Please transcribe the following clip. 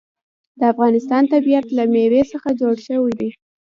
د افغانستان طبیعت له مېوې څخه جوړ شوی دی.